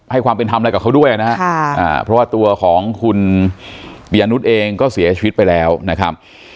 ความเป็นทำอะไรกับเขาด้วยนะฮะเพราะว่าตัวของคุณปียะนุษย์เองก็เสียชีวิตไปแล้วนะครับ